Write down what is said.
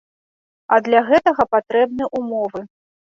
А для гэтага патрэбны ўмовы.